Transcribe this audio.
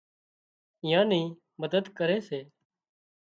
ايئان نِي مدد ڪري سي